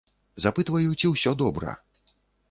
Запытваю, ці ўсё добра?